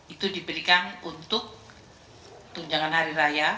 itu diberikan untuk tunjangan hari raya